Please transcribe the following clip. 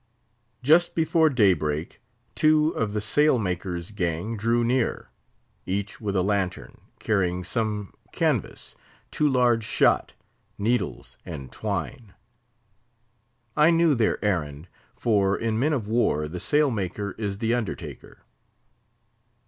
Just before daybreak, two of the sail maker's gang drew near, each with a lantern, carrying some canvas, two large shot, needles, and twine. I knew their errand; for in men of war the sail maker is the undertaker.